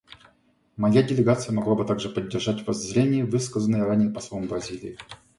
Моя делегация могла бы также поддержать воззрения, высказанные ранее послом Бразилии.